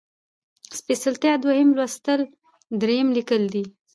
سپېڅلتيا ، دويم لوستل ، دريم ليکل دي